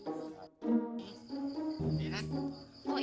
tuh tanah sih rusakan